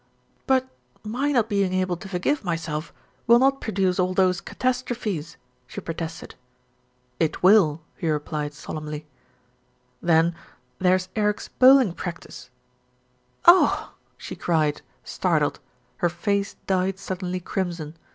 "But my not being able to forgive myself will not produce all those catastrophes," she protested. "It will," he replied solemnly. "Then there's Eric's bowling practice." "Oh!" she cried, startled, her face dyed suddenly crimson.